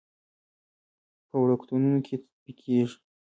په وړکتونونو کې تطبیقېږي.